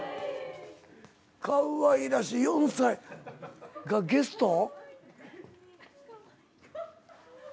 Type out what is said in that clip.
かわいらしい４歳。がゲスト？